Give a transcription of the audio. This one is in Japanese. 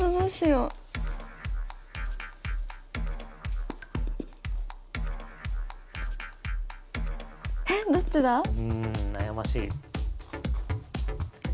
うん悩ましい。